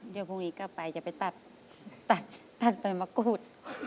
เดี๋ยวพรุ่งนี้กลับไปจะไปตัดตัดใบมะกรูด